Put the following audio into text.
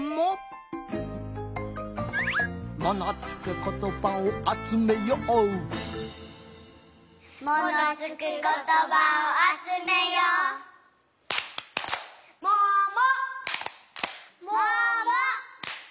「『も』のつくことばをあつめよう」「『も』のつくことばをあつめよう」「もも」。